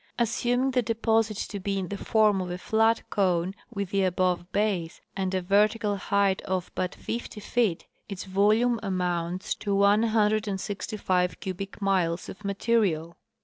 Assuming the deposit to be in the form of a flat cone with the above base and a vertical height of but fifty feet, its volume amounts to 165 cubic miles of material.